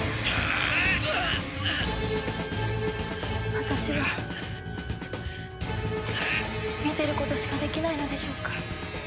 私は見てることしかできないのでしょうか？